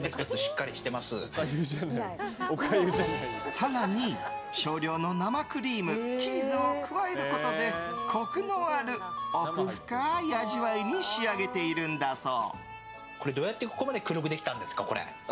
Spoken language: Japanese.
更に、少量の生クリームチーズを加えることでコクのある奥深い味わいに仕上げているんだそう。